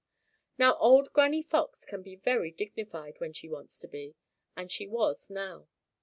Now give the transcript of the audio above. Now old Granny Fox can be very dignified when she wants to be, and she was now.